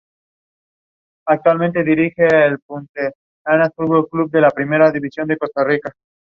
Ha sido acondicionada para albergar diferentes usos públicos.